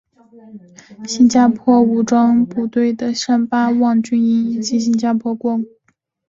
新加坡武装部队的三巴旺军营以及新加坡国空军的三巴旺空军基地也坐落与三吧旺。